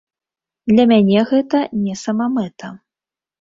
Для мяне гэта не самамэта.